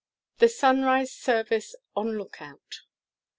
THE SUNRISE SERVICE ON "LOOKOUT."